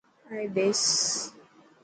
آئي ٻيس.